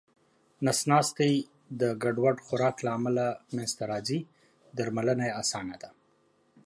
نس ناستی د ګډوډ خوراک له امله منځته راځې درملنه یې اسانه ده